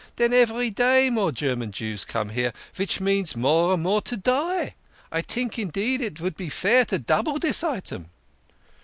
Den every day more German Jews come here vich means more and more to die. I tink indeed it vould be fair to double this item."